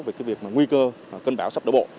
về cái việc mà nguy cơ cơn bão sắp đổ bộ